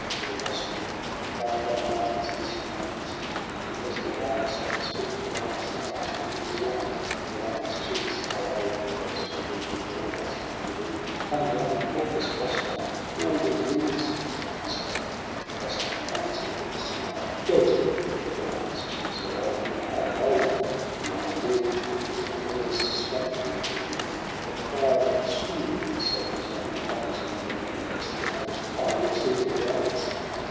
O Rustum, like thy might is this young man's ! He has the wild stag's foot, the lion's heart; And he is young, and Iran's chiefs are old, Or else too weak; and all eyes turn to thee. Come down and help us, Rustum, or we lose ! He spoke ; but Rustum answer'd with a smile :—' Go to ! if Iran's chiefs are old, then I Am older; if the young are weak, the King Errs strangely ; for the King, for Kai Khosroo, Himself is young, and honours younger men, SOHRAB AND RUSTUM. 93 And lets the aged moulder to their graves.